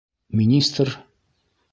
Министр?!